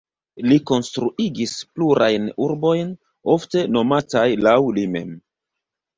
Li konstruigis plurajn urbojn, ofte nomataj laŭ li mem.